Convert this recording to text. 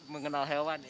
mengenal hewan ya